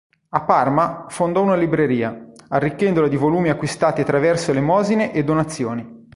A Parma fondò una libreria, arricchendola di volumi acquistati attraverso elemosine e donazioni.